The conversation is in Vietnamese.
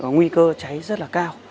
nguy cơ cháy rất là cao